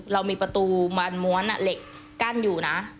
เรามีประตูมาม้วนเหล็กกั้นอยู่นะ